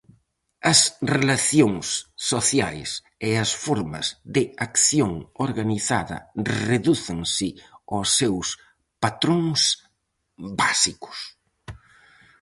As relacións sociais e as formas de acción organizada redúcense aos seus patróns básicos.